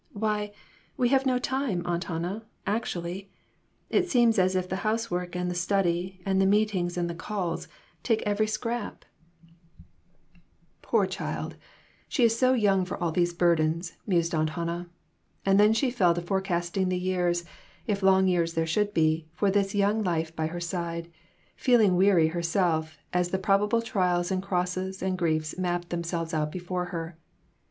" Why, we have no time, Aunt Hannah, actu ally. It seems as if the housework and the study, the meetings and the calls, take every scrap." 128 RECONCILIATIONS. " Poor child ! She is so young for all these burdens," mused Aunt Hannah. And then she fell to forecasting the years, if long years there should be, for this young life by her side, feeling weary herself as the probable trials and crosses and griefs mapped themselves out before her.